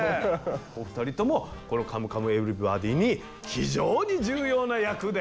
お二人ともこの「カムカムエヴリバディ」に非常に重要な役で。